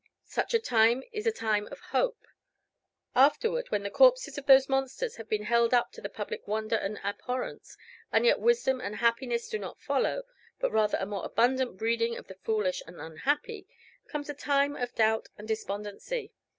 Such a time is a time of hope. Afterward when the corpses of those monsters have been held up to the public wonder and abhorrence, and yet wisdom and happiness do not follow, but rather a more abundant breeding of the foolish and unhappy, comes a time of doubt and despondency.